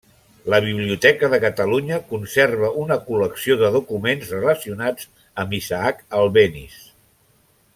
La Biblioteca de Catalunya conserva una col·lecció de documents relacionats amb Isaac Albéniz.